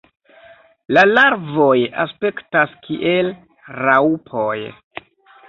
La larvoj aspektas kiel raŭpoj.